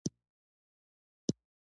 استاد د وطن لپاره وفادار شخصیت دی.